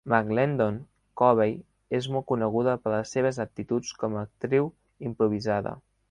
McLendon-Covey és molt coneguda per les seves aptituds com actriu improvisada.